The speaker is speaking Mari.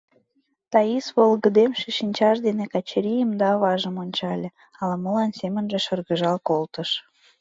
Таис волгыдемше шинчаж дене Качырийым да аважым ончале, ала-молан семынже шыргыжал колтыш.